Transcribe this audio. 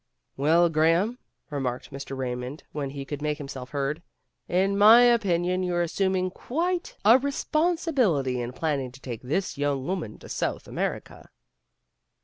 "Well, Graham," remarked Mr. Raymond when he could make himself heard, "In my opinion you're assuming quite a responsibility 312 PEGGY RAYMOND'S WAY in planning to take this young woman to South America.